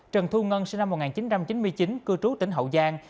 trần thu ngân sinh năm một nghìn chín trăm chín mươi chín cư trú tỉnh hậu giang